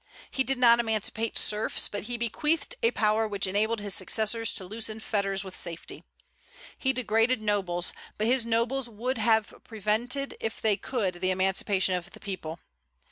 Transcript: He did not emancipate serfs; but he bequeathed a power which enabled his successors to loosen fetters with safety. He degraded nobles; but his nobles would have prevented if they could the emancipation of the people.